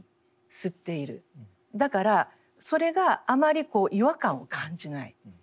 だからそれがあまり違和感を感じない。